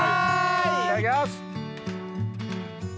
いただきます。